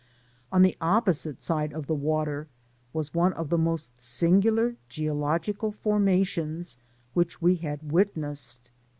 On the opposite side of the water, was one of the most singular geological formations which we had witnessed.